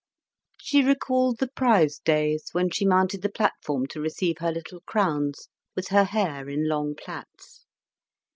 She recalled the prize days, when she mounted the platform to receive her little crowns, with her hair in long plaits.